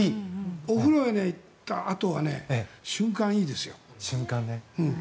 お風呂へ行ったあとは瞬間、いいですよ。